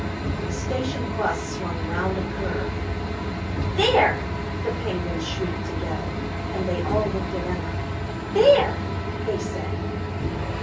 The station bus swung round a curve. "There!" the Penguins shrieked together. And they all looked at Emma. "There!" they said.